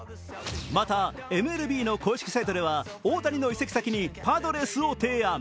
また、ＭＬＢの公式サイトでは大谷の移籍先にパドレスを提案。